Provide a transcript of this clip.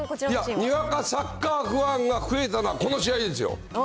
にわかサッカーファンが増えたのはこの試合ですよ。